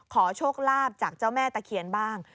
ขอโชคลาภจากเจ้าแม่ตะเคียนบ้าง